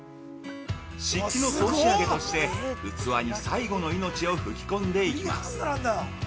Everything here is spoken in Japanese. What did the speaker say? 漆器の総仕上げとして器に最後の命を吹き込んでいきます。